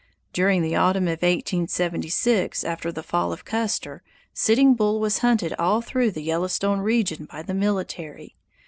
During the autumn of 1876, after the fall of Custer, Sitting Bull was hunted all through the Yellowstone region by the military.